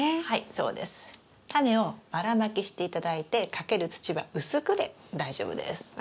はいそうです。タネをばらまきして頂いてかける土は薄くで大丈夫です。